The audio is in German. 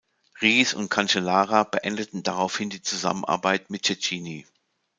Riis und Cancellara beendeten daraufhin die Zusammenarbeit mit Cecchini.